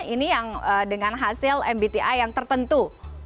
ini yang dengan hasil mbti yang tertentu